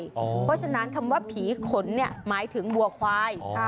เพราะฉะนั้นคำว่าผีขนหมายถึงวัวควาย